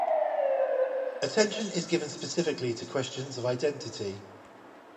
Attention is given specifically to questions of identity.